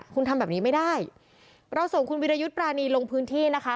คุณทำแบบนี้ไม่ได้เราส่งคุณวิรยุทธ์ปรานีลงพื้นที่นะคะ